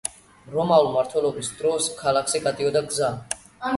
რომაული მმართველობის დროს ქალაქზე გადიოდა გზა.